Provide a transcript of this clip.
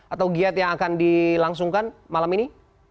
atau giat yang akan dilangsungkan malam ini